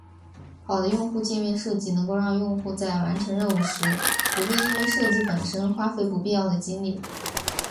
好的用户界面设计能够让用户在完成任务时不必因为设计本身花费不必要的精力。